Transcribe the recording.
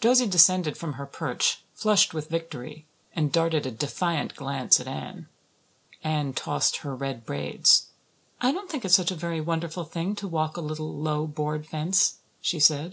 Josie descended from her perch, flushed with victory, and darted a defiant glance at Anne. Anne tossed her red braids. "I don't think it's such a very wonderful thing to walk a little, low, board fence," she said.